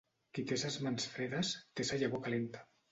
Qui té ses mans fredes, té sa llavor calenta.